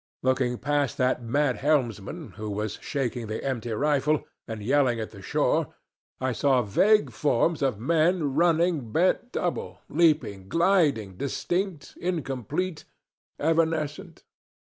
Looking past that mad helmsman, who was shaking the empty rifle and yelling at the shore, I saw vague forms of men running bent double, leaping, gliding, distinct, incomplete, evanescent.